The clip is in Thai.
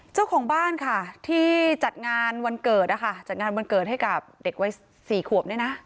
เจ้าของบ้านที่จัดงานวันเกิดให้กับเด็กวัยสี่ขวบ